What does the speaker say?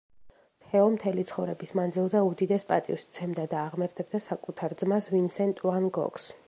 თეო მთელი ცხოვრების მანძილზე უდიდეს პატივს სცემდა და აღმერთებდა საკუთარ ძმას ვინსენტ ვან გოგს.